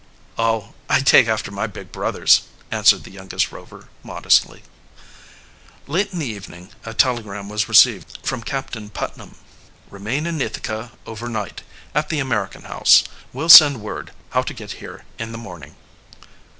"Oh; I take after my big brothers," answered the youngest Rover modestly. Late in the evening a telegram was received from Captain Putnam: "Remain in Ithaca over night, at the American House. Will send word how to get here in the morning."